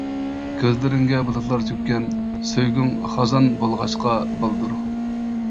كۆزلىرىڭگە بۇلۇتلار چۆككەن، سۆيگۈڭ خازان بولغاچقا بالدۇر.